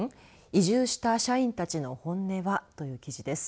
移住した社員たちのホンネはという記事です。